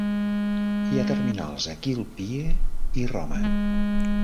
Hi ha terminals a Quilpie i Roma.